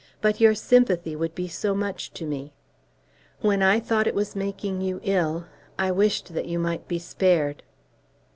But your sympathy would be so much to me!" "When I thought it was making you ill, I wished that you might be spared."